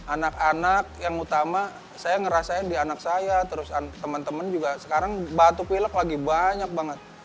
anak anak yang utama saya ngerasain di anak saya terus teman teman juga sekarang batu pilek lagi banyak banget